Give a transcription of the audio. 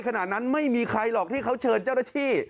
ขณะนั้นไม่มีใครหรอกที่เขาเชิญเจ้าหน้าที่